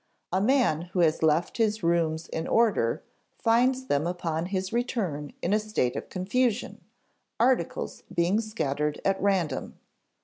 A man who has left his rooms in order finds them upon his return in a state of confusion, articles being scattered at random.